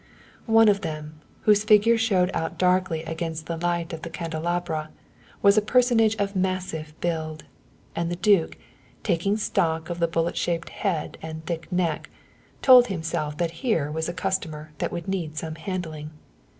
One of them, whose figure showed out darkly against the light of the candelabra, was a personage of massive build, and the duke, taking stock of the bullet shaped head and thick neck, told himself that here was a customer that would need some handling.